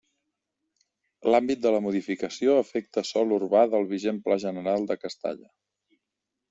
L'àmbit de la modificació afecta sòl urbà del vigent pla general de Castalla.